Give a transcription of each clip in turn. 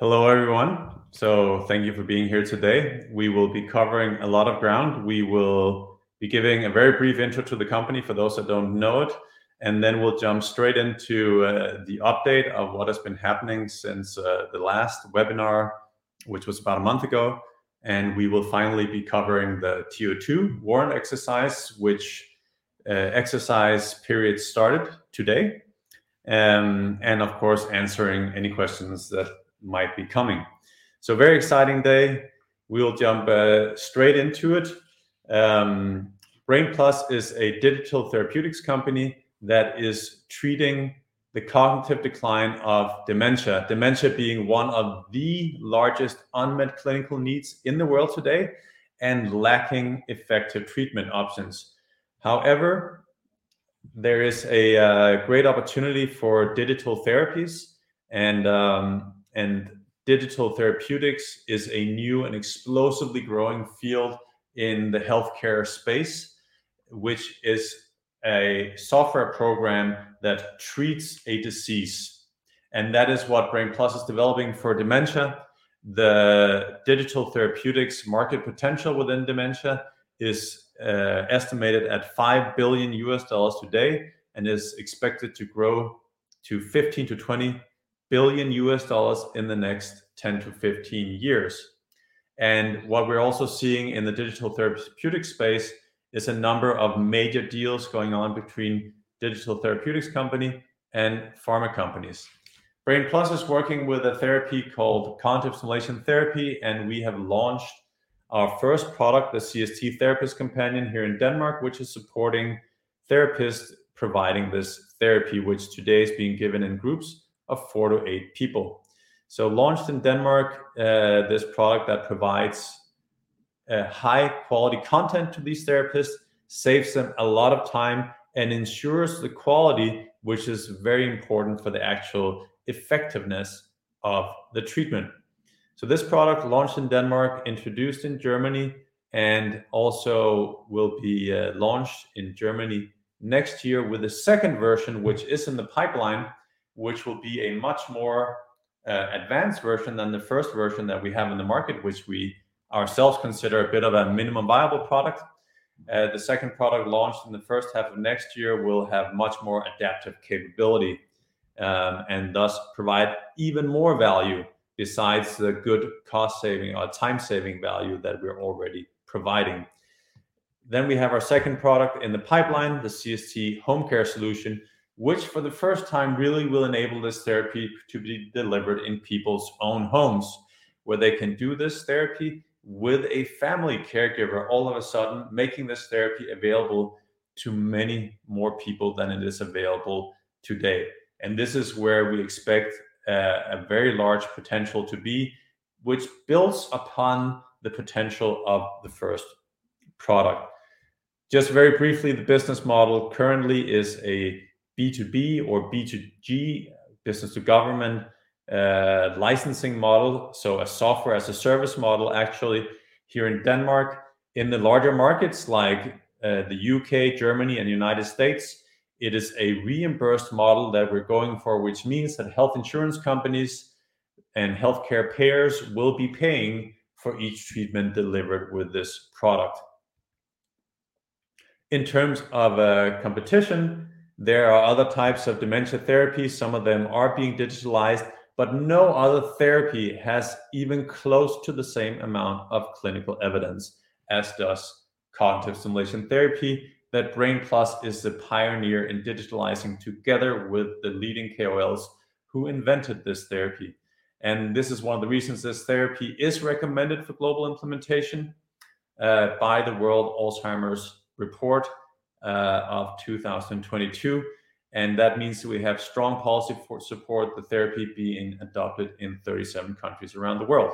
Hello, everyone. So thank you for being here today. We will be covering a lot of ground. We will be giving a very brief intro to the company for those that don't know it, and then we'll jump straight into the update of what has been happening since the last webinar, which was about a month ago, and we will finally be covering the Tier Two warrant exercise, which exercise period started today. And of course, answering any questions that might be coming. So very exciting day, we will jump straight into it. Brain+ is a digital therapeutics company that is treating the cognitive decline of dementia. Dementia being one of the largest unmet clinical needs in the world today, and lacking effective treatment options. However, there is a great opportunity for digital therapies and and digital therapeutics is a new and explosively growing field in the healthcare space, which is a software program that treats a disease, and that is what Brain+ is developing for dementia. The digital therapeutics market potential within dementia is estimated at $5 billion today, and is expected to grow to $15 billion-$20 billion in the next 10-15 years. What we're also seeing in the digital therapeutic space is a number of major deals going on between digital therapeutics company and pharma companies. Brain+ is working with a therapy called cognitive stimulation therapy, and we have launched our first product, the CST-Therapist Companion, here in Denmark, which is supporting therapists providing this therapy, which today is being given in groups of 4-8 people. Launched in Denmark, this product that provides high-quality content to these therapists, saves them a lot of time, and ensures the quality, which is very important for the actual effectiveness of the treatment. This product launched in Denmark, introduced in Germany, and also will be launched in Germany next year with a second version, which is in the pipeline, which will be a much more advanced version than the first version that we have in the market, which we ourselves consider a bit of a minimum viable product. The second product launched in the first half of next year will have much more adaptive capability, and thus provide even more value besides the good cost-saving or time-saving value that we're already providing. Then we have our second product in the pipeline, the CST Home Care Solution, which for the first time, really will enable this therapy to be delivered in people's own homes, where they can do this therapy with a family caregiver, all of a sudden making this therapy available to many more people than it is available today. And this is where we expect a very large potential to be, which builds upon the potential of the first product. Just very briefly, the business model currently is a B2B or B2G, business to government, licensing model. So a software as a service model, actually here in Denmark. In the larger markets like the U.K., Germany, and the United States, it is a reimbursed model that we're going for, which means that health insurance companies and healthcare payers will be paying for each treatment delivered with this product. In terms of, competition, there are other types of dementia therapies. Some of them are being digitalized, but no other therapy has even close to the same amount of clinical evidence as does cognitive stimulation therapy, that Brain+ is the pioneer in digitalizing together with the leading KOLs who invented this therapy. And this is one of the reasons this therapy is recommended for global implementation, by the World Alzheimer Report of 2022. And that means that we have strong policy for support, the therapy being adopted in 37 countries around the world.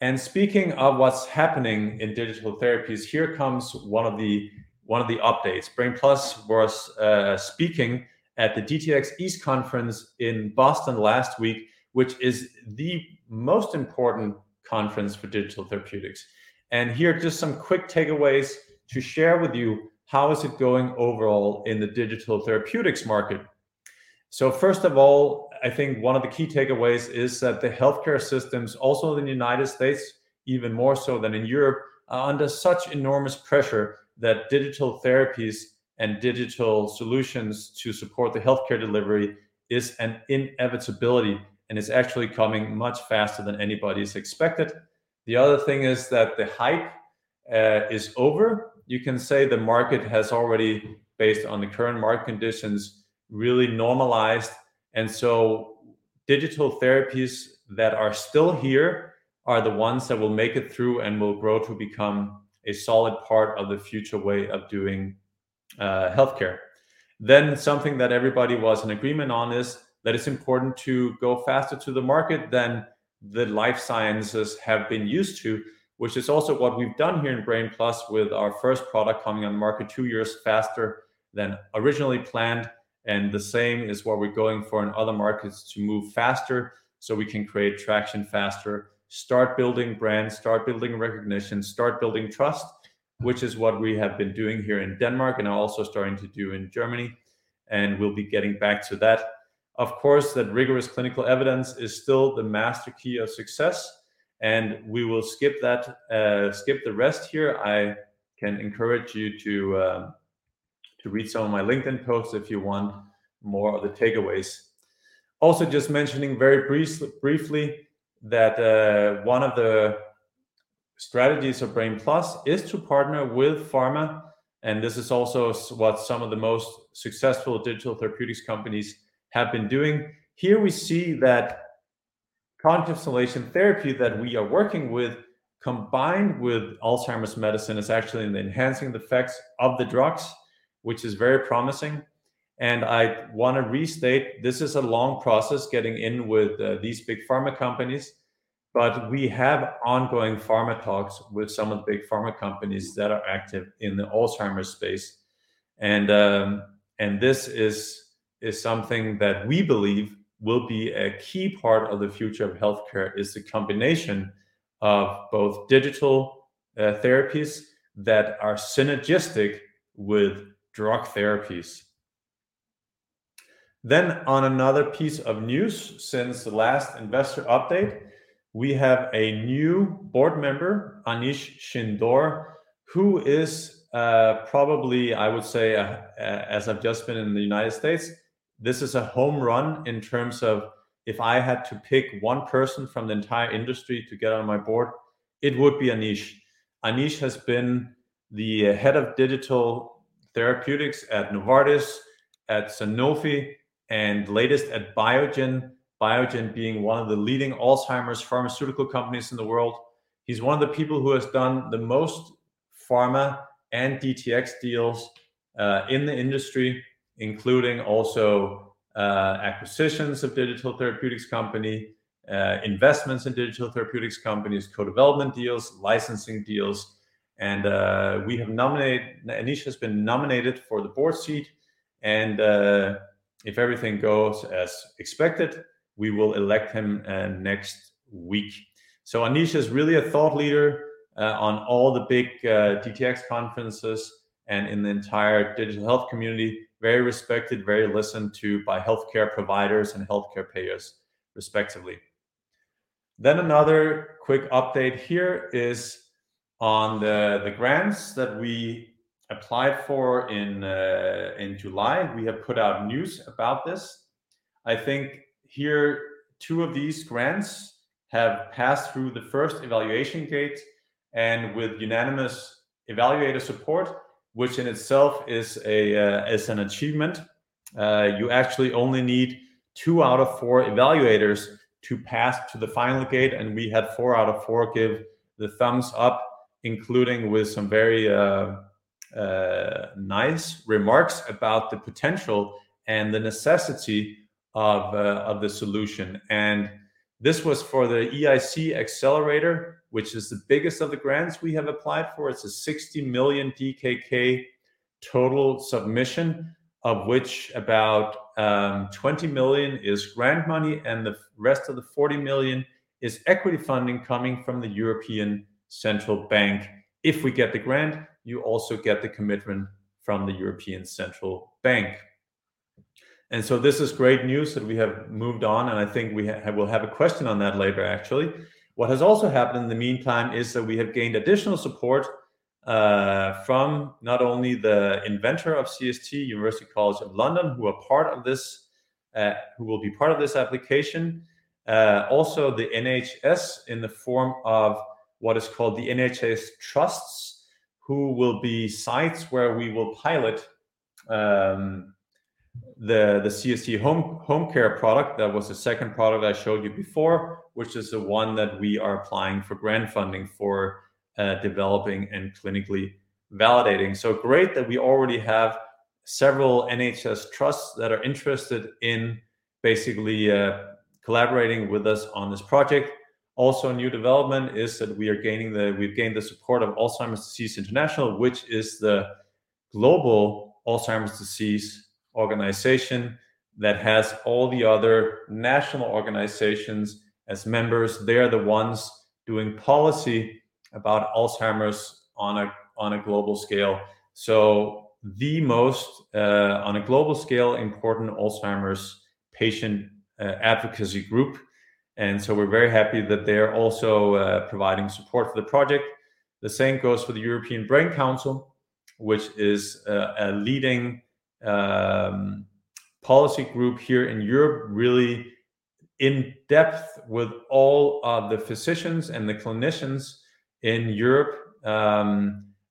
And speaking of what's happening in digital therapies, here comes one of the updates. Brain+ was speaking at the DTx East Conference in Boston last week, which is the most important conference for digital therapeutics. Here are just some quick takeaways to share with you how is it going overall in the digital therapeutics market. First of all, I think one of the key takeaways is that the healthcare systems, also in the United States, even more so than in Europe, are under such enormous pressure that digital therapies and digital solutions to support the healthcare delivery is an inevitability, and is actually coming much faster than anybody's expected. The other thing is that the hype is over. You can say the market has already, based on the current market conditions, really normalized. And so digital therapies that are still here are the ones that will make it through and will grow to become a solid part of the future way of doing healthcare. Then something that everybody was in agreement on is, that it's important to go faster to the market than the life sciences have been used to, which is also what we've done here in Brain+ with our first product coming on the market two years faster than originally planned, and the same is what we're going for in other markets: to move faster, so we can create traction faster, start building brands, start building recognition, start building trust, which is what we have been doing here in Denmark and are also starting to do in Germany... and we'll be getting back to that. Of course, that rigorous clinical evidence is still the master key of success, and we will skip that, skip the rest here. I can encourage you to, to read some of my LinkedIn posts if you want more of the takeaways. Also, just mentioning very briefly that one of the strategies of Brain+ is to partner with pharma, and this is also what some of the most successful digital therapeutics companies have been doing. Here we see that cognitive stimulation therapy that we are working with, combined with Alzheimer's medicine, is actually enhancing the effects of the drugs, which is very promising. And I want to restate, this is a long process, getting in with these big pharma companies, but we have ongoing pharma talks with some of the big pharma companies that are active in the Alzheimer's space. And this is something that we believe will be a key part of the future of healthcare, is the combination of both digital therapies that are synergistic with drug therapies. Then on another piece of news, since the last investor update, we have a new board member, Anish Shindore, who is, probably, I would say, as I've just been in the United States, this is a home run in terms of if I had to pick one person from the entire industry to get on my board, it would be Anish. Anish has been the Head of Digital Therapeutics at Novartis, at Sanofi, and latest at Biogen. Biogen being one of the leading Alzheimer's pharmaceutical companies in the world. He's one of the people who has done the most pharma and DTx deals, in the industry, including also, acquisitions of digital therapeutics company, investments in digital therapeutics companies, co-development deals, licensing deals. We have nominated—Anish has been nominated for the board seat, and if everything goes as expected, we will elect him next week. So Anish is really a thought leader on all the big DTx conferences and in the entire digital health community. Very respected, very listened to by healthcare providers and healthcare payers, respectively. Another quick update here is on the grants that we applied for in July. We have put out news about this. I think two of these grants have passed through the first evaluation gate and with unanimous evaluator support, which in itself is an achievement. You actually only need two out of four evaluators to pass to the final gate, and we had four out of four give the thumbs up, including with some very nice remarks about the potential and the necessity of the solution. This was for the EIC Accelerator, which is the biggest of the grants we have applied for. It's a 60 million DKK total submission, of which about 20 million is grant money, and the rest of the 40 million is equity funding coming from the European Central Bank. If we get the grant, you also get the commitment from the European Central Bank. So this is great news that we have moved on, and I think we will have a question on that later actually. What has also happened in the meantime is that we have gained additional support from not only the inventor of CST, University College London, who are part of this, who will be part of this application, also the NHS, in the form of what is called the NHS trusts, who will be sites where we will pilot the CST home care product. That was the second product I showed you before, which is the one that we are applying for grant funding for developing and clinically validating. So great that we already have several NHS trusts that are interested in basically collaborating with us on this project. Also, a new development is that we've gained the support of Alzheimer's Disease International, which is the global Alzheimer's disease organization that has all the other national organizations as members. They are the ones doing policy about Alzheimer's on a global scale. So the most on a global scale important Alzheimer's patient advocacy group. And so we're very happy that they're also providing support for the project. The same goes for the European Brain Council, which is a leading policy group here in Europe, really in depth with all of the physicians and the clinicians in Europe.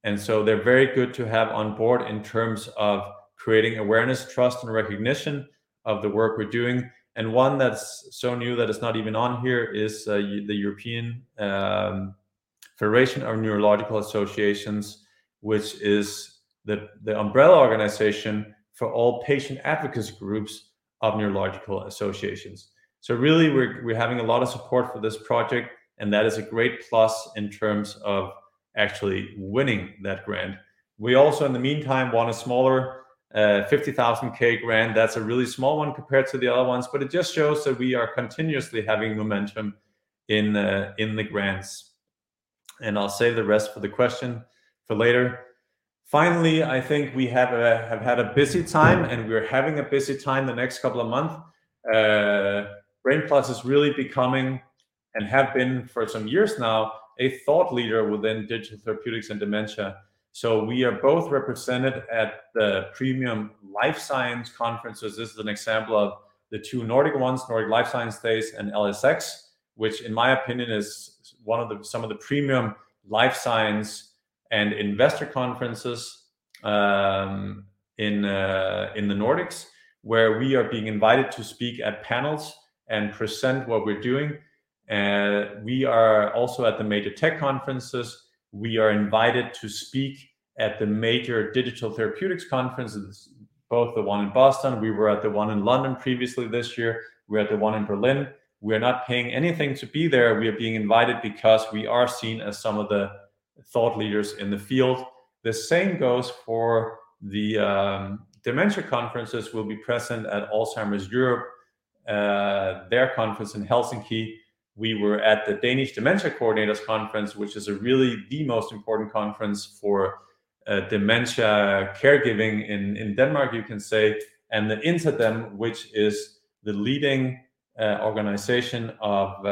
And so they're very good to have on board in terms of creating awareness, trust, and recognition of the work we're doing. And one that's so new that it's not even on here is the European Federation of Neurological Associations, which is the umbrella organization for all patient advocacy groups of neurological associations. So really, we're having a lot of support for this project, and that is a great plus in terms of actually winning that grant. We also, in the meantime, won a smaller 50,000 grant. That's a really small one compared to the other ones, but it just shows that we are continuously having momentum in the grants. And I'll save the rest for the question for later. Finally, I think we have had a busy time, and we're having a busy time the next couple of months. Brain+ is really becoming, and have been for some years now, a thought leader within digital therapeutics and dementia. So we are both represented at the premium life science conferences. This is an example of the two Nordic ones, Nordic Life Science Days and LSX, which in my opinion, is some of the premium life science and investor conferences, in the Nordics, where we are being invited to speak at panels and present what we're doing. We are also at the major tech conferences. We are invited to speak at the major digital therapeutics conferences, both the one in Boston, we were at the one in London previously this year, we are at the one in Berlin. We are not paying anything to be there, we are being invited because we are seen as some of the thought leaders in the field. The same goes for the dementia conferences. We'll be present at Alzheimer's Europe, their conference in Helsinki. We were at the Danish Dementia Coordinators Conference, which is a really, the most important conference for, dementia caregiving in, in Denmark, you can say, and the INSIGHT-DEM, which is the leading, organization of,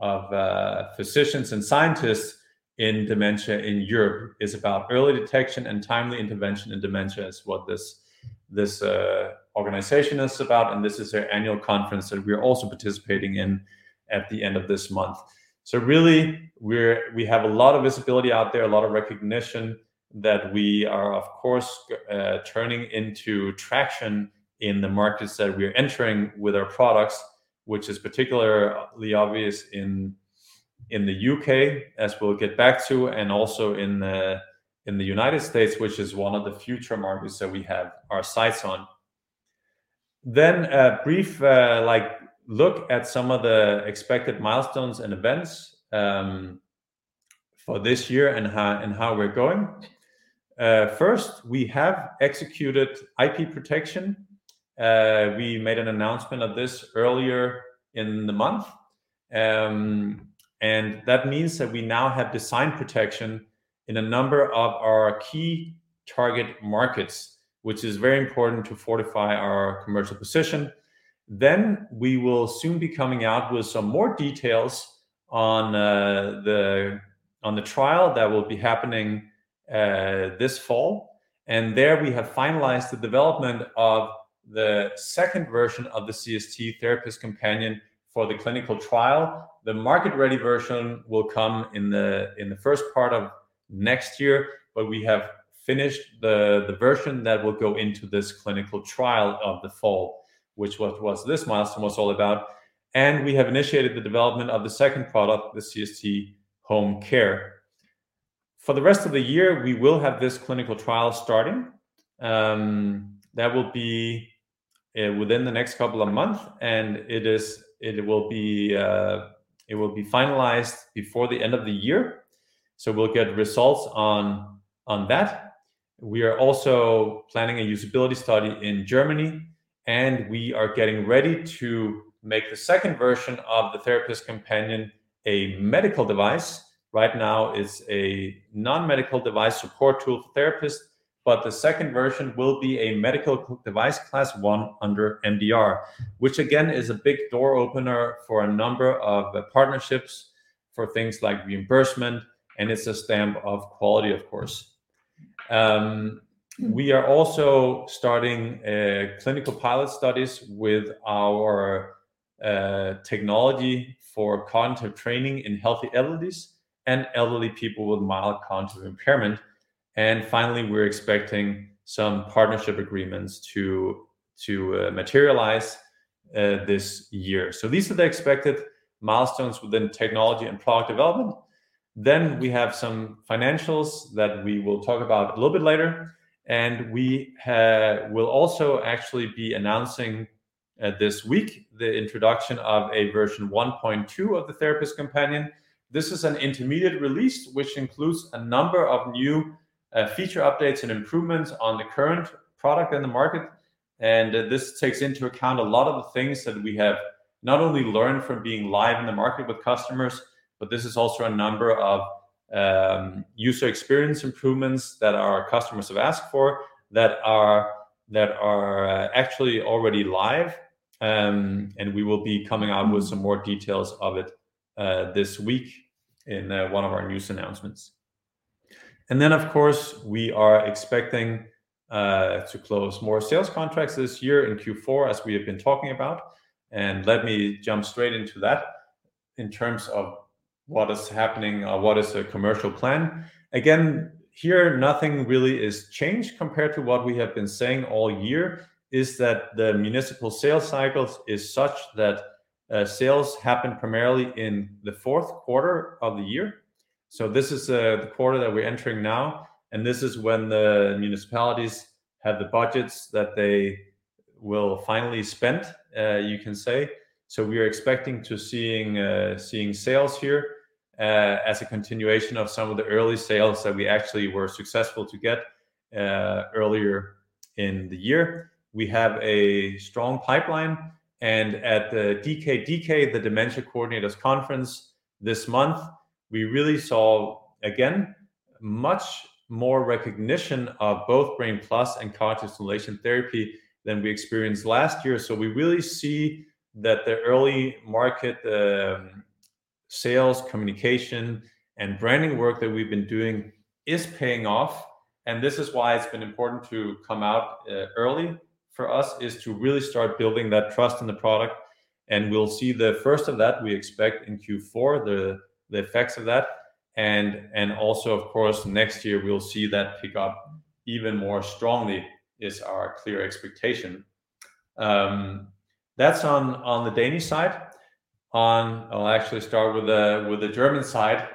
of, physicians and scientists in dementia in Europe. It's about early detection and timely intervention in dementia, is what this, this, organization is about, and this is their annual conference that we are also participating in at the end of this month. So really, we have a lot of visibility out there, a lot of recognition that we are, of course, turning into traction in the markets that we are entering with our products, which is particularly obvious in, in the U.K., as we'll get back to, and also in the, in the United States, which is one of the future markets that we have our sights on. Then a brief, like, look at some of the expected milestones and events for this year and how we're going. First, we have executed IP protection. We made an announcement of this earlier in the month. And that means that we now have design protection in a number of our key target markets, which is very important to fortify our commercial position. Then we will soon be coming out with some more details on the trial that will be happening this fall. And there, we have finalized the development of the second version of the CST-Therapist Companion for the clinical trial. The market-ready version will come in the first part of next year, but we have finished the version that will go into this clinical trial of the fall, which what was this milestone was all about, and we have initiated the development of the second product, the CST Home Care. For the rest of the year, we will have this clinical trial starting. That will be within the next couple of months, and it will be finalized before the end of the year, so we'll get results on that. We are also planning a usability study in Germany, and we are getting ready to make the second version of the Therapist Companion a medical device. Right now, it's a non-medical device support tool for therapists, but the second version will be a medical device Class 1 under MDR, which again, is a big door opener for a number of partnerships, for things like reimbursement, and it's a stamp of quality, of course. We are also starting clinical pilot studies with our technology for cognitive training in healthy elderly and elderly people with Mild Cognitive Impairment. And finally, we're expecting some partnership agreements to materialize this year. So these are the expected milestones within technology and product development. Then we have some financials that we will talk about a little bit later, and we will also actually be announcing this week, the introduction of a version 1.2 of the Therapist Companion. This is an intermediate release, which includes a number of new, feature updates and improvements on the current product in the market. And this takes into account a lot of the things that we have not only learned from being live in the market with customers, but this is also a number of, user experience improvements that our customers have asked for, that are, that are actually already live. And we will be coming out with some more details of it, this week in, one of our news announcements. And then, of course, we are expecting, to close more sales contracts this year in Q4, as we have been talking about. And let me jump straight into that. In terms of what is happening, what is the commercial plan? Again, here, nothing really is changed compared to what we have been saying all year, is that the municipal sales cycles is such that sales happen primarily in the fourth quarter of the year. So this is the quarter that we're entering now, and this is when the municipalities have the budgets that they will finally spend, you can say. So we are expecting to seeing sales here as a continuation of some of the early sales that we actually were successful to get earlier in the year. We have a strong pipeline, and at the DKDK, the Dementia Coordinators Conference this month, we really saw, again, much more recognition of both Brain+ and Cognitive Stimulation Therapy than we experienced last year. So we really see that the early market, the sales, communication, and branding work that we've been doing is paying off, and this is why it's been important to come out early for us, to really start building that trust in the product, and we'll see the first of that, we expect in Q4, the effects of that. And also, of course, next year we'll see that pick up even more strongly, is our clear expectation. That's on the Danish side. I'll actually start with the German side,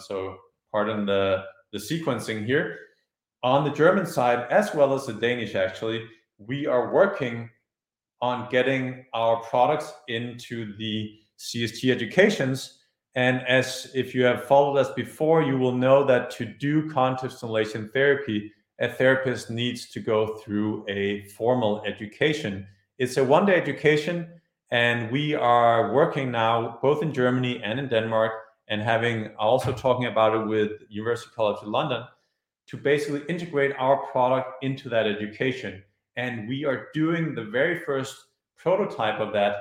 so pardon the sequencing here. On the German side, as well as the Danish actually, we are working on getting our products into the CST educations. As if you have followed us before, you will know that to do Cognitive Stimulation Therapy, a therapist needs to go through a formal education. It's a 1-day education, and we are working now, both in Germany and in Denmark, and having also talking about it with University College London, to basically integrate our product into that education. We are doing the very first prototype of that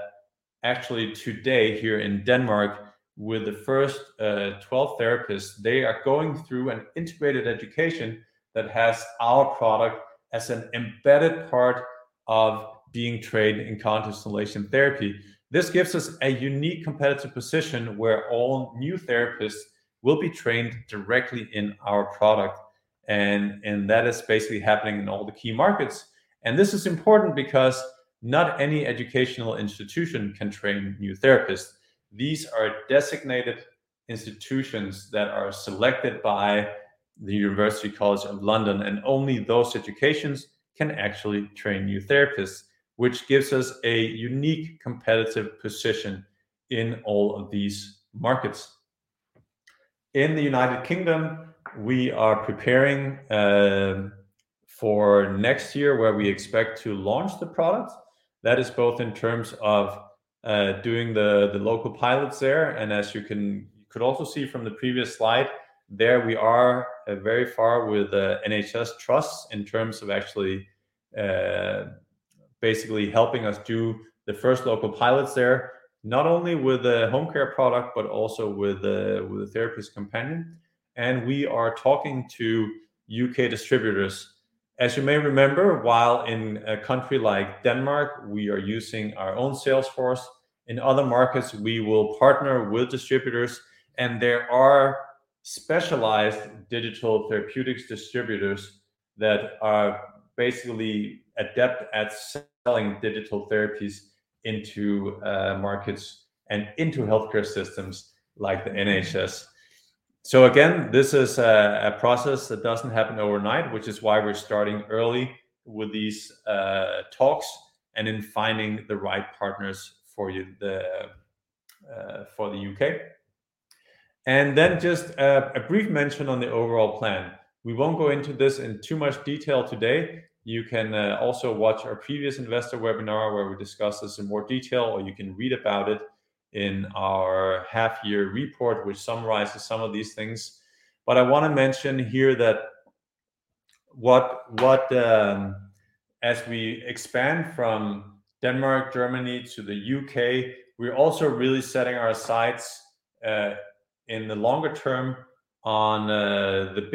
actually today here in Denmark with the first, 12 therapists. They are going through an integrated education that has our product as an embedded part of being trained in Cognitive Stimulation Therapy. This gives us a unique competitive position where all new therapists will be trained directly in our product, and that is basically happening in all the key markets. This is important because not any educational institution can train new therapists. These are designated institutions that are selected by the University College London, and only those educations can actually train new therapists, which gives us a unique competitive position in all of these markets. In the United Kingdom, we are preparing for next year, where we expect to launch the product. That is both in terms of doing the local pilots there, and as you could also see from the previous slide, there we are very far with the NHS trusts in terms of actually basically helping us do the first local pilots there, not only with the home care product but also with the Therapist Companion, and we are talking to U.K. distributors. As you may remember, while in a country like Denmark, we are using our own sales force, in other markets, we will partner with distributors, and there are specialized digital therapeutics distributors that are basically adept at selling digital therapies into markets and into healthcare systems like the NHS. So again, this is a process that doesn't happen overnight, which is why we're starting early with these talks and in finding the right partners for the U.K. And then just a brief mention on the overall plan. We won't go into this in too much detail today. You can also watch our previous investor webinar, where we discuss this in more detail, or you can read about it in our half-year report, which summarizes some of these things. But I wanna mention here that what... As we expand from Denmark, Germany to the U.K., we're also really setting our sights in the longer term on the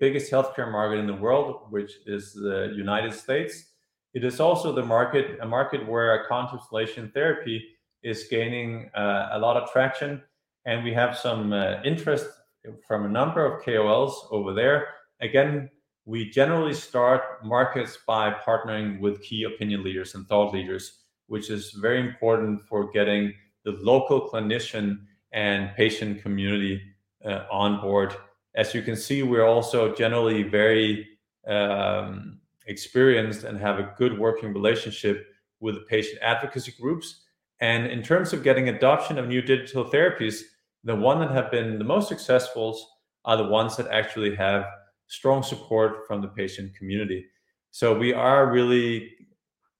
biggest healthcare market in the world, which is the United States. It is also the market, a market where our Cognitive Stimulation Therapy is gaining a lot of traction, and we have some interest from a number of KOLs over there. Again, we generally start markets by partnering with key opinion leaders and thought leaders, which is very important for getting the local clinician and patient community on board. As you can see, we're also generally very experienced and have a good working relationship with the patient advocacy groups. And in terms of getting adoption of new digital therapies, the one that have been the most successful are the ones that actually have strong support from the patient community. So we are really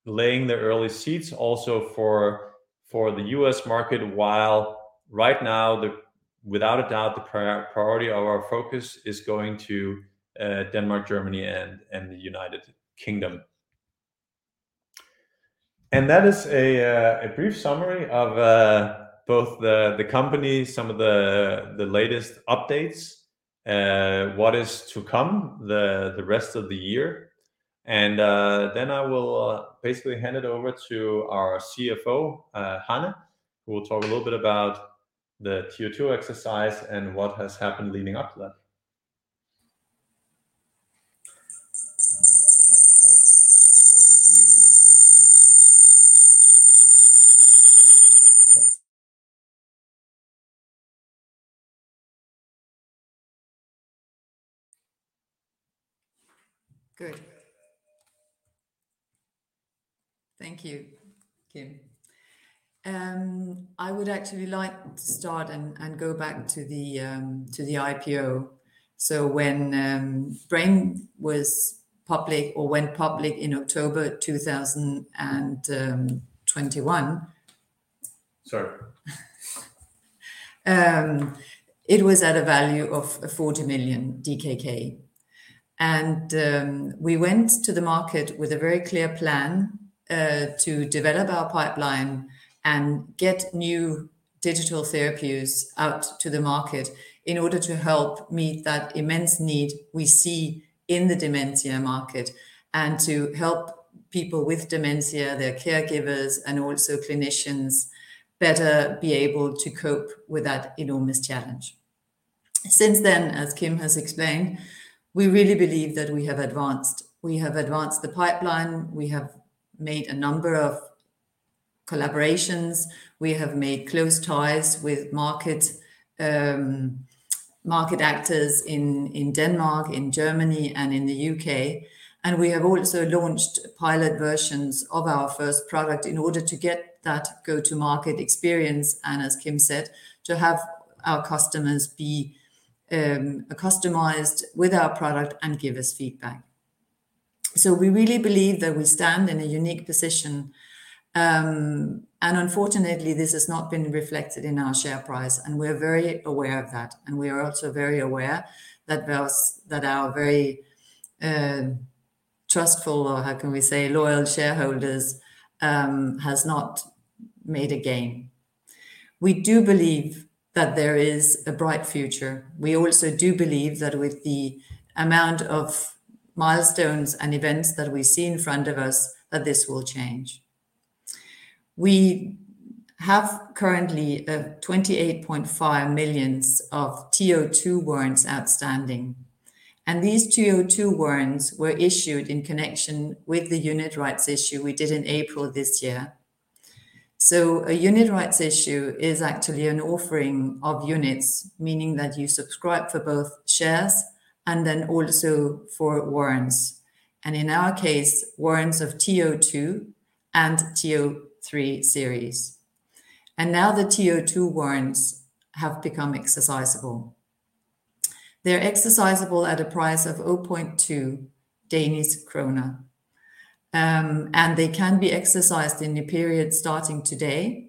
laying the early seeds also for, for the U.S. market, while right now, the without a doubt, the priority of our focus is going to Denmark, Germany, and the United Kingdom. And that is a brief summary of both the company, some of the latest updates, what is to come the rest of the year. And then I will basically hand it over to our CFO, Hanne, who will talk a little bit about the TO2 exercise and what has happened leading up to that. I'll just mute myself here. Good. Thank you, Kim. I would actually like to start and go back to the IPO. So when Brain+ was public or went public in October 2021- Sorry. It was at a value of 40 million DKK. We went to the market with a very clear plan to develop our pipeline and get new digital therapies out to the market in order to help meet that immense need we see in the dementia market, and to help people with dementia, their caregivers, and also clinicians better be able to cope with that enormous challenge. Since then, as Kim has explained, we really believe that we have advanced. We have advanced the pipeline, we have made a number of collaborations, we have made close ties with market market actors in Denmark, in Germany and in the U.K. We have also launched pilot versions of our first product in order to get that go-to-market experience, and as Kim said, to have our customers be accustomed with our product and give us feedback. So we really believe that we stand in a unique position, and unfortunately, this has not been reflected in our share price, and we're very aware of that. We are also very aware that our very trustful, or how can we say, loyal shareholders has not made a gain. We do believe that there is a bright future. We also do believe that with the amount of milestones and events that we see in front of us, that this will change. We have currently 28.5 million TO2 warrants outstanding, and these TO2 warrants were issued in connection with the unit rights issue we did in April this year. So a unit rights issue is actually an offering of units, meaning that you subscribe for both shares and then also for warrants, and in our case, warrants of TO2 and TO3 series. Now the TO2 warrants have become exercisable. They're exercisable at a price of 0.2 Danish krone, and they can be exercised in a period starting today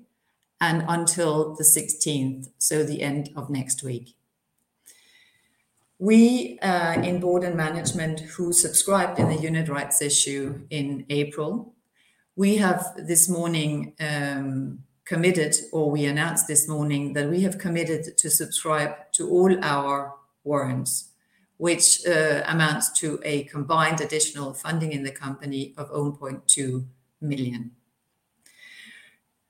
and until the sixteenth, so the end of next week. We in board and management, who subscribed in the unit rights issue in April, we have this morning committed, or we announced this morning that we have committed to subscribe to all our warrants, which amounts to a combined additional funding in the company of 0.2 million.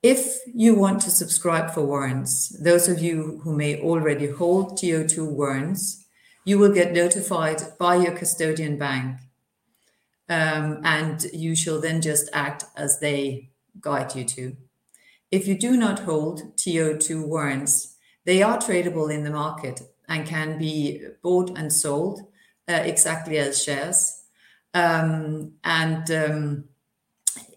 If you want to subscribe for warrants, those of you who may already hold TO2 warrants, you will get notified by your custodian bank, and you shall then just act as they guide you to. If you do not hold TO2 warrants, they are tradable in the market and can be bought and sold, exactly as shares. And,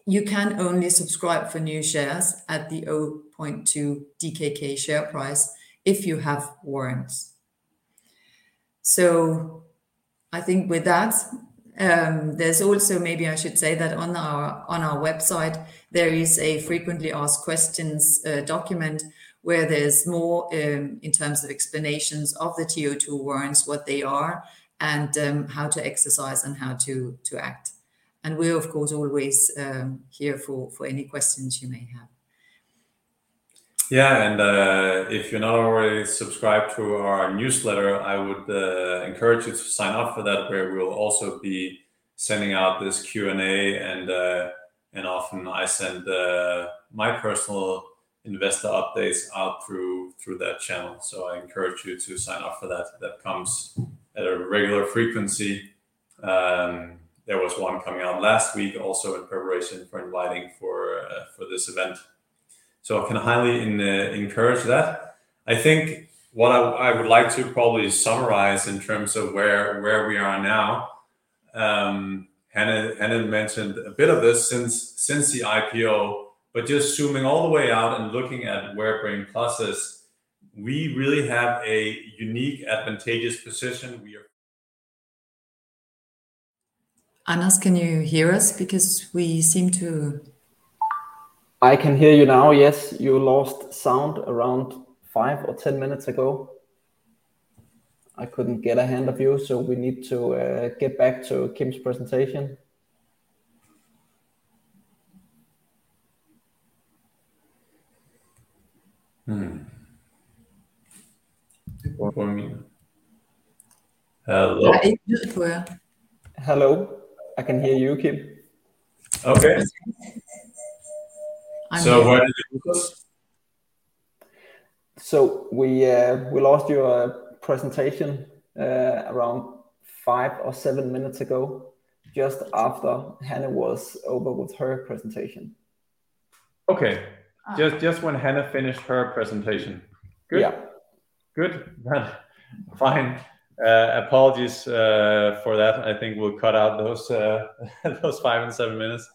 you can only subscribe for new shares at the 0.2 DKK share price if you have warrants. So I think with that, there's also maybe I should say that on our website, there is a frequently asked questions document, where there's more in terms of explanations of the TO2 warrants, what they are, and how to exercise and how to act. And we're, of course, always here for any questions you may have. Yeah, and if you're not already subscribed to our newsletter, I would encourage you to sign up for that, where we'll also be sending out this Q&A. And often I send my personal investor updates out through that channel. So I encourage you to sign up for that. That comes at a regular frequency. There was one coming out last week, also in preparation for inviting for this event. So I can highly encourage that. I think what I would like to probably summarize in terms of where we are now. Hanne mentioned a bit of this since the IPO, but just zooming all the way out and looking at where Brain+ is, we really have a unique, advantageous position. We are- Anders, can you hear us? Because we seem to... I can hear you now, yes. You lost sound around five or 10 minutes ago. I couldn't get a hold of you, so we need to get back to Kim's presentation. Hmm. It's not working. Hello? Hello. I can hear you, Kim. Okay. Where did you go? We lost your presentation around five or seven minutes ago, just after Hanne was over with her presentation.... Okay, just when Hanne finished her presentation. Good? Yeah. Good. Fine. Apologies for that. I think we'll cut out those five and seven minutes.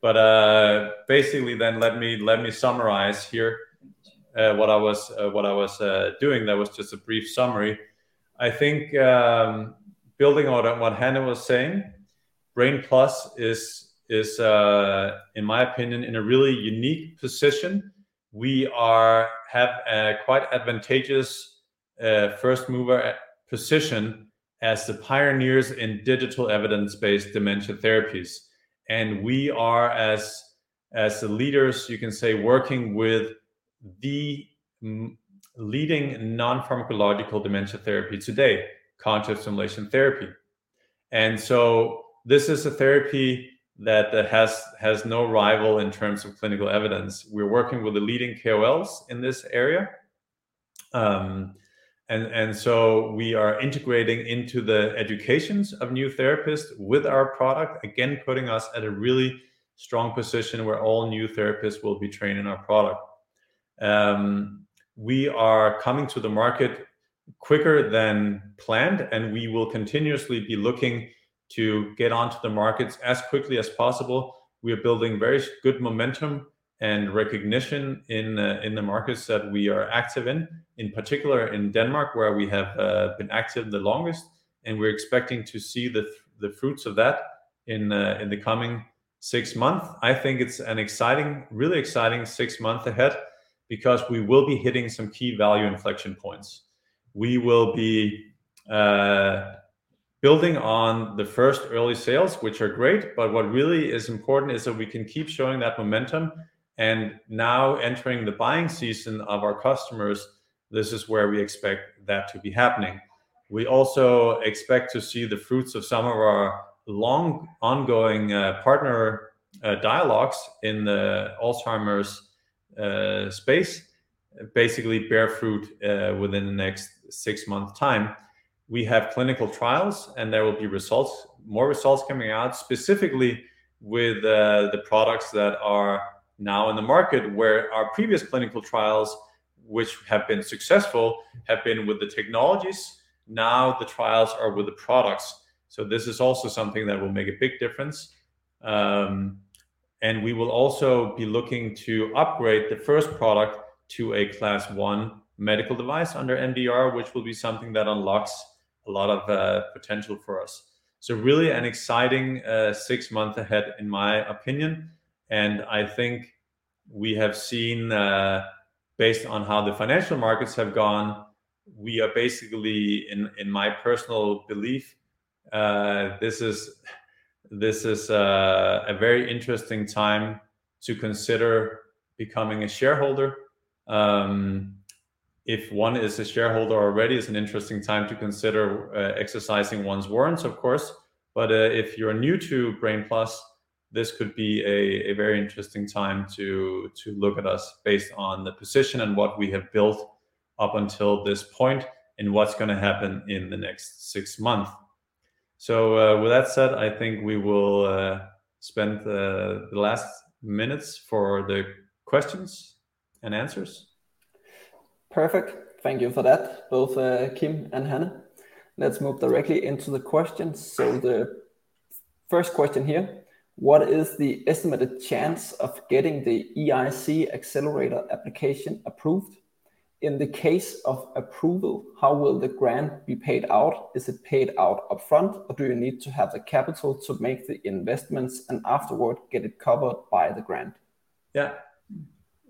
But basically then, let me summarize here what I was doing. That was just a brief summary. I think, building on what Hanne was saying, Brain+ is in my opinion in a really unique position. We have a quite advantageous first mover position as the pioneers in digital evidence-based dementia therapies. And we are as the leaders, you can say, working with the leading non-pharmacological dementia therapy today, Cognitive Stimulation Therapy. And so this is a therapy that has no rival in terms of clinical evidence. We're working with the leading KOLs in this area. So we are integrating into the educations of new therapists with our product, again, putting us at a really strong position where all new therapists will be trained in our product. We are coming to the market quicker than planned, and we will continuously be looking to get onto the markets as quickly as possible. We are building very good momentum and recognition in the markets that we are active in, in particular in Denmark, where we have been active the longest, and we're expecting to see the fruits of that in the coming six months. I think it's an exciting, really exciting six months ahead because we will be hitting some key value inflection points. We will be building on the first early sales, which are great, but what really is important is that we can keep showing that momentum, and now entering the buying season of our customers, this is where we expect that to be happening. We also expect to see the fruits of some of our long, ongoing partner dialogues in the Alzheimer's space, basically bear fruit within the next six months time. We have clinical trials, and there will be results, more results coming out, specifically with the products that are now in the market, where our previous clinical trials, which have been successful, have been with the technologies, now the trials are with the products. So this is also something that will make a big difference. And we will also be looking to upgrade the first product to a Class 1 medical device under MDR, which will be something that unlocks a lot of potential for us. So really an exciting six months ahead, in my opinion. And I think we have seen, based on how the financial markets have gone, we are basically, in my personal belief, this is a very interesting time to consider becoming a shareholder. If one is a shareholder already, it's an interesting time to consider exercising one's warrants, of course. But if you're new to Brain+, this could be a very interesting time to look at us based on the position and what we have built up until this point, and what's gonna happen in the next six months. With that said, I think we will spend the last minutes for the questions and answers. Perfect. Thank you for that, both, Kim and Hanne. Let's move directly into the questions. So the first question here: What is the estimated chance of getting the EIC Accelerator application approved? In the case of approval, how will the grant be paid out? Is it paid out upfront, or do you need to have the capital to make the investments and afterward get it covered by the grant? Yeah.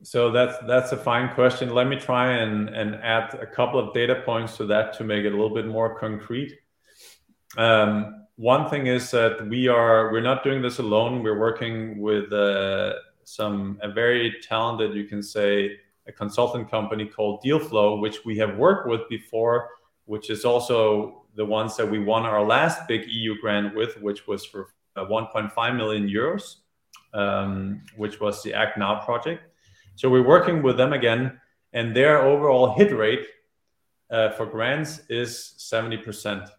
So that's, that's a fine question. Let me try and add a couple of data points to that to make it a little bit more concrete. One thing is that we're not doing this alone. We're working with a very talented, you can say, a consultant company called Dealflow, which we have worked with before, which is also the ones that we won our last big E.U. grant with, which was for 1.5 million euros, which was the Act Now project. So we're working with them again, and their overall hit rate for grants is 70%,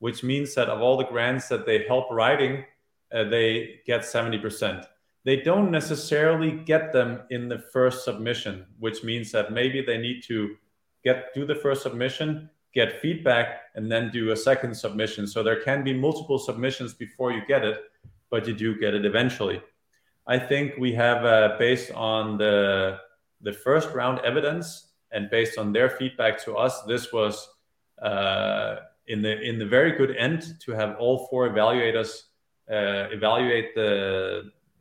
which means that of all the grants that they help writing, they get 70%. They don't necessarily get them in the first submission, which means that maybe they need to get through the first submission, get feedback, and then do a second submission. So there can be multiple submissions before you get it, but you do get it eventually. I think we have, based on the first-round evidence and based on their feedback to us, this was in the very good end to have all four evaluators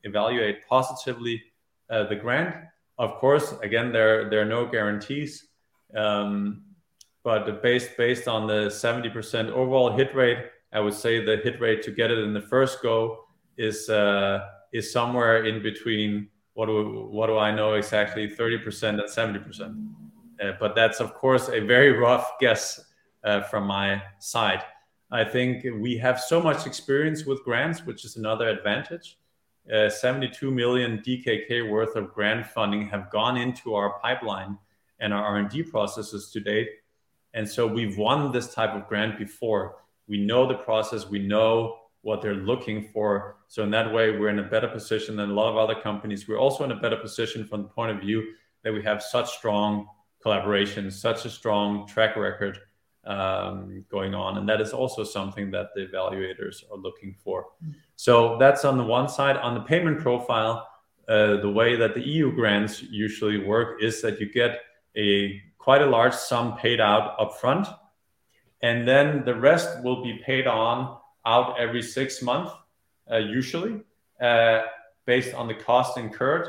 evaluate positively the grant. Of course, again, there are no guarantees. But based on the 70% overall hit rate, I would say the hit rate to get it in the first go is somewhere in between, what do I know exactly? 30%-70%. But that's of course a very rough guess from my side. I think we have so much experience with grants, which is another advantage. 72 million DKK worth of grant funding have gone into our pipeline and our R&D processes to date, and so we've won this type of grant before. We know the process, we know what they're looking for, so in that way, we're in a better position than a lot of other companies. We're also in a better position from the point of view that we have such strong collaborations, such a strong track record, going on, and that is also something that the evaluators are looking for. So that's on the one side. On the payment profile, the way that the E.U. grants usually work is that you get a quite a large sum paid out upfront, and then the rest will be paid out every six months, usually, based on the cost incurred.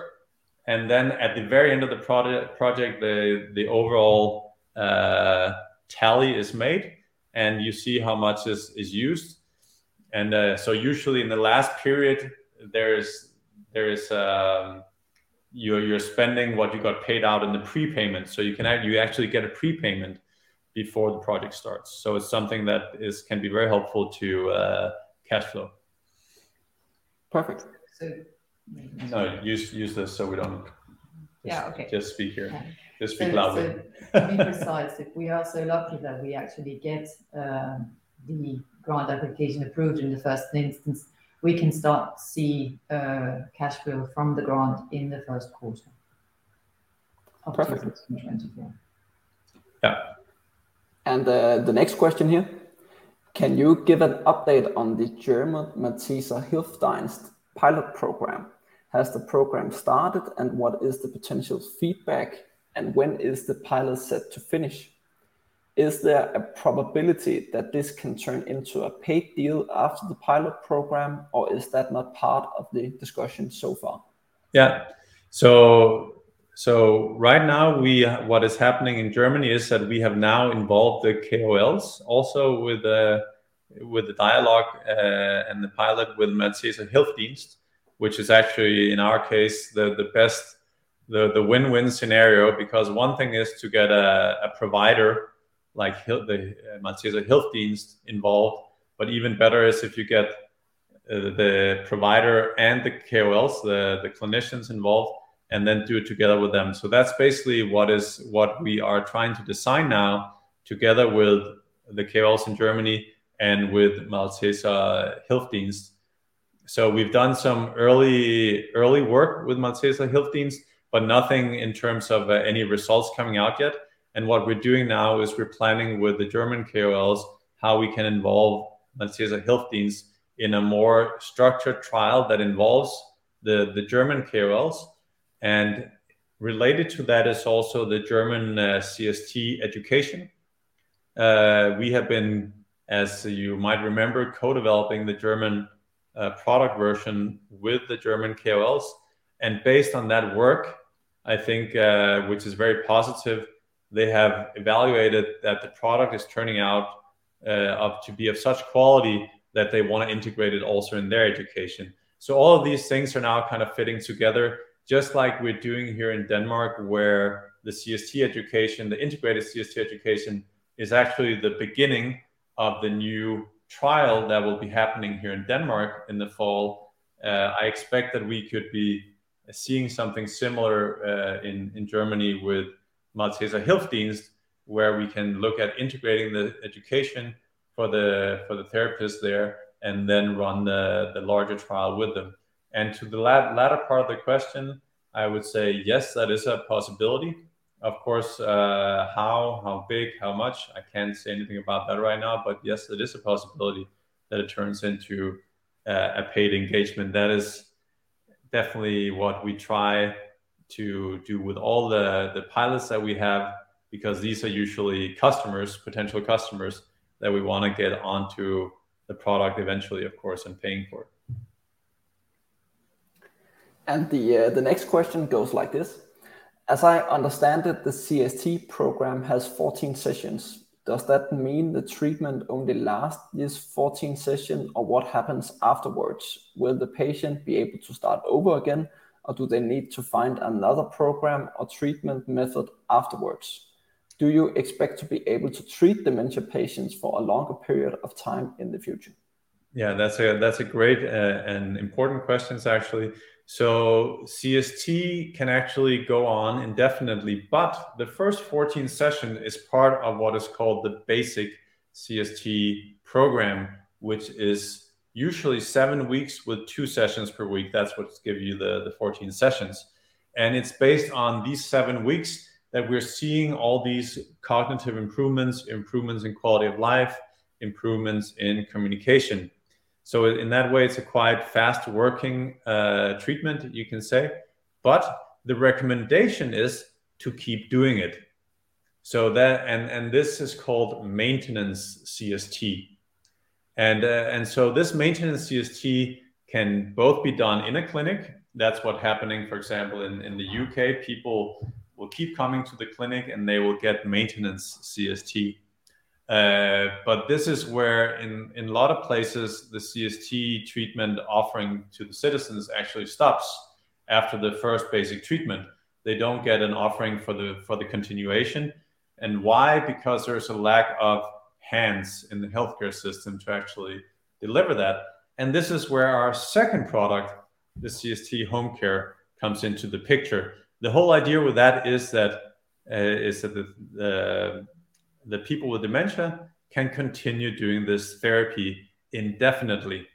And then at the very end of the project, the overall tally is made, and you see how much is used. And so usually in the last period, there is... You're spending what you got paid out in the prepayment. So you actually get a prepayment before the project starts. So it's something that can be very helpful to cash flow. Perfect. So- No, use this so we don't- Yeah, okay. Just speak here. Just speak loudly. To be precise, if we are so lucky that we actually get the grant application approved in the first instance, we can start see cash flow from the grant in the first quarter- Perfect of 24. Yeah. The next question here: Can you give an update on the German Malteser Hilfsdienst pilot program? Has the program started, and what is the potential feedback, and when is the pilot set to finish? Is there a probability that this can turn into a paid deal after the pilot program, or is that not part of the discussion so far? Yeah. So right now, what is happening in Germany is that we have now involved the KOLs also with the dialogue and the pilot with Malteser Hilfsdienst, which is actually, in our case, the best, the win-win scenario. Because one thing is to get a provider like the Malteser Hilfsdienst involved, but even better is if you get the provider and the KOLs, the clinicians involved, and then do it together with them. So that's basically what we are trying to design now, together with the KOLs in Germany and with Malteser Hilfsdienst. So we've done some early work with Malteser Hilfsdienst, but nothing in terms of any results coming out yet. What we're doing now is we're planning with the German KOLs how we can involve Malteser Hilfsdienst in a more structured trial that involves the German KOLs. Related to that is also the German CST education. We have been, as you might remember, co-developing the German product version with the German KOLs, and based on that work, I think, which is very positive, they have evaluated that the product is turning out up to be of such quality that they want to integrate it also in their education. All of these things are now kind of fitting together, just like we're doing here in Denmark, where the CST education, the integrated CST education, is actually the beginning of the new trial that will be happening here in Denmark in the fall. I expect that we could be seeing something similar, in Germany with Malteser Hilfsdienst, where we can look at integrating the education for the therapists there and then run the larger trial with them. And to the latter part of the question, I would say yes, that is a possibility. Of course, how big, how much? I can't say anything about that right now, but yes, it is a possibility that it turns into a paid engagement. That is definitely what we try to do with all the pilots that we have, because these are usually customers, potential customers, that we wanna get onto the product eventually, of course, and paying for it. The next question goes like this: As I understand it, the CST program has 14 sessions. Does that mean the treatment only lasts these 14 sessions, or what happens afterwards? Will the patient be able to start over again, or do they need to find another program or treatment method afterwards? Do you expect to be able to treat dementia patients for a longer period of time in the future? Yeah, that's a, that's a great, and important questions actually. So CST can actually go on indefinitely, but the first 14 session is part of what is called the basic CST program, which is usually seveweeks with two sessions per week. That's what give you the, the 14 sessions. And it's based on these seven weeks that we're seeing all these cognitive improvements, improvements in quality of life, improvements in communication. So in that way, it's a quite fast-working, treatment, you can say. But the recommendation is to keep doing it. So that... And, and this is called maintenance CST. And, and so this maintenance CST can both be done in a clinic, that's what happening, for example, in, in the U.K. People will keep coming to the clinic, and they will get maintenance CST. But this is where in a lot of places, the CST treatment offering to the citizens actually stops after the first basic treatment. They don't get an offering for the continuation. And why? Because there's a lack of hands in the healthcare system to actually deliver that. This is where our second product, the CST Home Care, comes into the picture. The whole idea with that is that the people with dementia can continue doing this therapy indefinitely.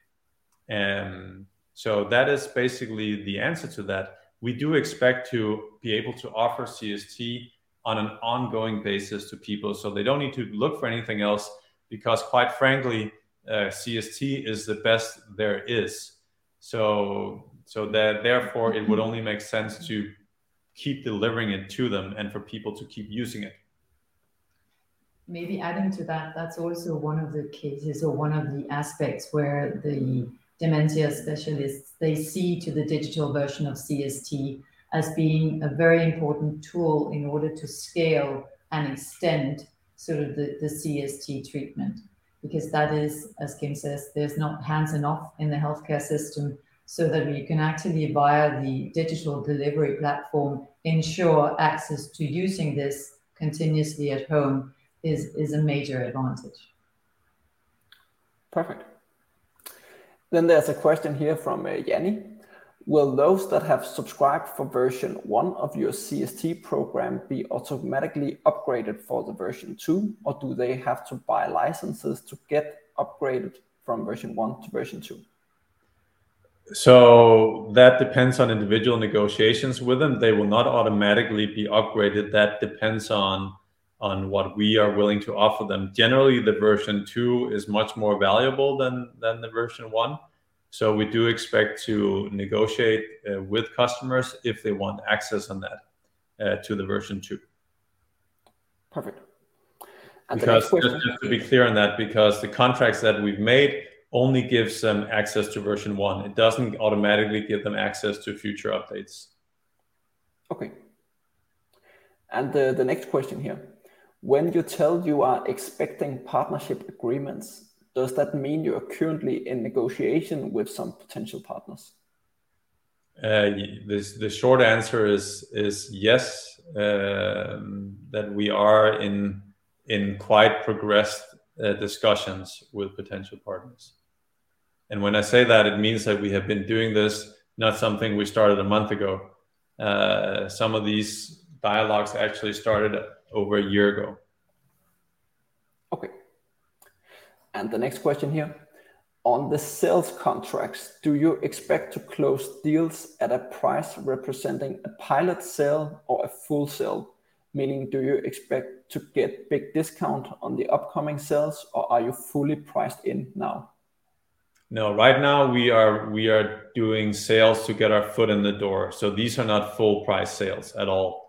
So that is basically the answer to that. We do expect to be able to offer CST on an ongoing basis to people, so they don't need to look for anything else because, quite frankly, CST is the best there is. So, so that therefore it would only make sense to keep delivering it to them and for people to keep using it. Maybe adding to that, that's also one of the cases or one of the aspects where the dementia specialists, they see to the digital version of CST as being a very important tool in order to scale and extend sort of the CST treatment. Because that is, as Kim says, there's not hands enough in the healthcare system, so that we can actually, via the digital delivery platform, ensure access to using this continuously at home is a major advantage. Perfect. Then there's a question here from Jenny, "Will those that have subscribed for version one of your CST program be automatically upgraded for the version two, or do they have to buy licenses to get upgraded from version one to version two? So that depends on individual negotiations with them. They will not automatically be upgraded, that depends on what we are willing to offer them. Generally, the version two is much more valuable than the version one, so we do expect to negotiate with customers if they want access on that to the version two. Perfect. And the next- Because just to be clear on that, because the contracts that we've made only gives them access to version one. It doesn't automatically give them access to future updates. Okay. And the next question here, "When you tell you are expecting partnership agreements, does that mean you are currently in negotiation with some potential partners? The short answer is yes, that we are in quite progressed discussions with potential partners. When I say that, it means that we have been doing this, not something we started a month ago. Some of these dialogues actually started over a year ago. Okay. And the next question here, "On the sales contracts, do you expect to close deals at a price representing a pilot sale or a full sale? Meaning, do you expect to get big discount on the upcoming sales, or are you fully priced in now? No, right now we are doing sales to get our foot in the door, so these are not full price sales at all.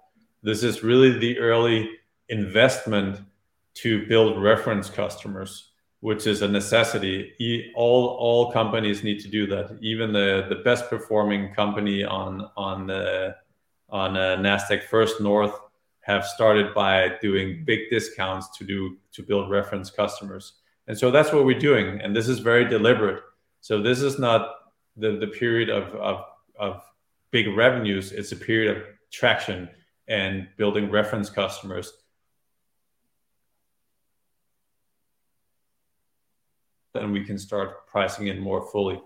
This is really the early investment to build reference customers, which is a necessity. Even all companies need to do that. Even the best performing company on Nasdaq First North have started by doing big discounts to build reference customers. And so that's what we're doing, and this is very deliberate. So this is not the period of big revenues, it's a period of traction and building reference customers. Then we can start pricing it more fully.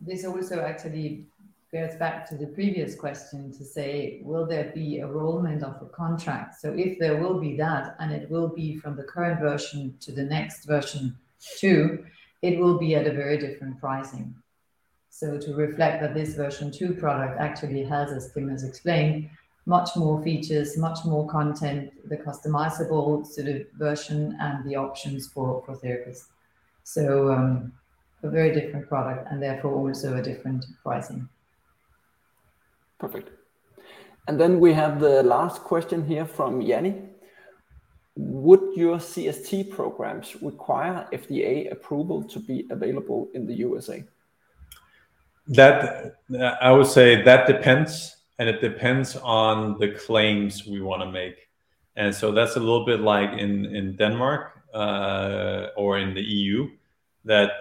This also actually goes back to the previous question to say, will there be a rollover of a contract? So if there will be that, and it will be from the current version to the next version two, it will be at a very different pricing. So to reflect that this version two product actually has, as Kim has explained, much more features, much more content, the customizable sort of version, and the options for, for therapists. So, a very different product and therefore also a different pricing. Perfect. And then we have the last question here from Jenny, "Would your CST programs require FDA approval to be available in the USA? That, I would say that depends, and it depends on the claims we wanna make. And so that's a little bit like in, in Denmark, or in the E.U., that,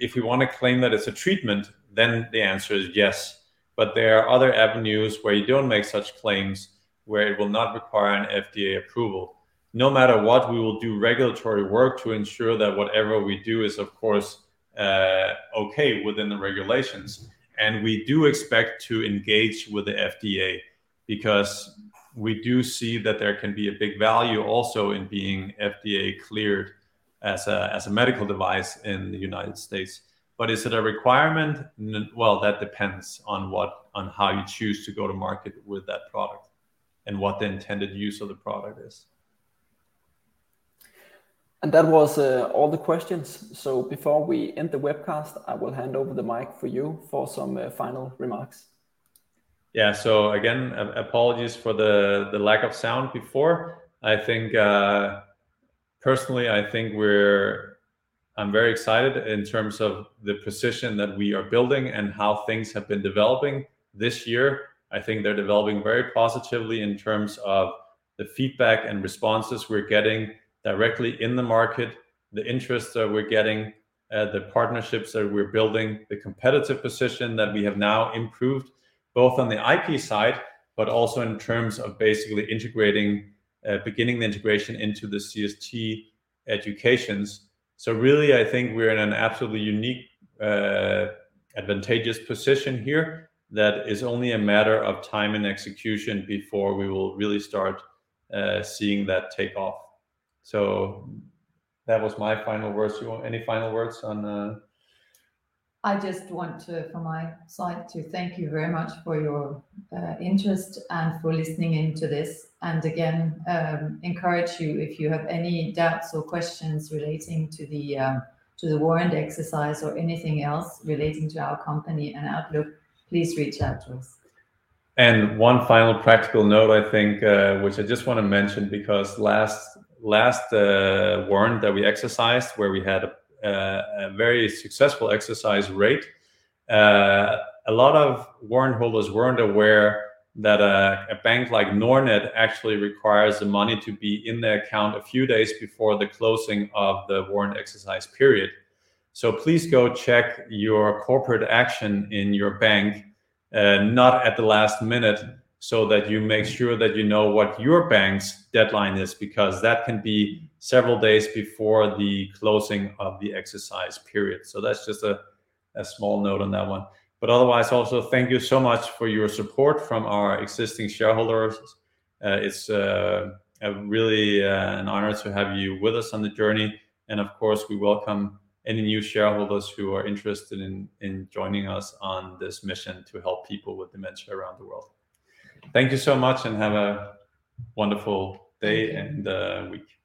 if we want to claim that it's a treatment, then the answer is yes. But there are other avenues where you don't make such claims, where it will not require an FDA approval. No matter what, we will do regulatory work to ensure that whatever we do is of course, okay within the regulations. And we do expect to engage with the FDA because we do see that there can be a big value also in being FDA cleared as a, as a medical device in the United States. But is it a requirement? Well, that depends on what on how you choose to go to market with that product and what the intended use of the product is. That was all the questions. Before we end the webcast, I will hand over the mic for you for some final remarks. Yeah. So again, apologies for the lack of sound before. I think, personally, I think we're... I'm very excited in terms of the position that we are building and how things have been developing this year. I think they're developing very positively in terms of the feedback and responses we're getting directly in the market, the interest that we're getting, the partnerships that we're building, the competitive position that we have now improved, both on the IP side, but also in terms of basically integrating, beginning the integration into the CST educations. So really, I think we're in an absolutely unique, advantageous position here that is only a matter of time and execution before we will really start, seeing that take off. So that was my final words. You want any final words on the- I just want to, from my side, to thank you very much for your interest and for listening in to this. And again, encourage you if you have any doubts or questions relating to the warrant exercise or anything else relating to our company and outlook, please reach out to us. And one final practical note, I think, which I just want to mention, because last warrant that we exercised, where we had a very successful exercise rate, a lot of warrant holders weren't aware that a bank like Nordnet actually requires the money to be in the account a few days before the closing of the warrant exercise period. So please go check your corporate action in your bank, not at the last minute, so that you make sure that you know what your bank's deadline is, because that can be several days before the closing of the exercise period. So that's just a small note on that one. But otherwise, also, thank you so much for your support from our existing shareholders. It's a really an honor to have you with us on the journey, and of course, we welcome any new shareholders who are interested in joining us on this mission to help people with dementia around the world. Thank you so much and have a wonderful day. Thank you.... and week.